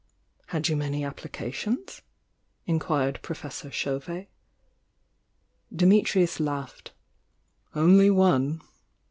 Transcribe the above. "Had you many applications?" inquu ed Professor Chauvet. Dimitrius laughed. „.., "Only one!"